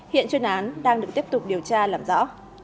hiện chuyên án đang được tiếp tục điều tra làm rõ